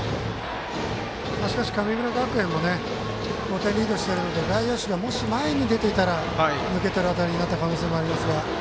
しかし、神村学園も５点リードしているので外野手が、もし前に出ていたら抜けていた可能性もありますが。